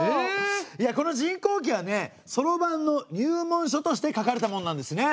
この「塵劫記」はそろばんの入門書として書かれたものなんですね。